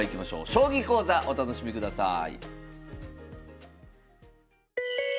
将棋講座お楽しみください。